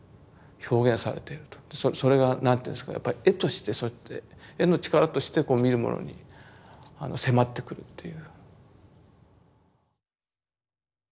それが何ていうんですかやっぱり絵としてそうやって絵の力として見る者に迫ってくるっていう。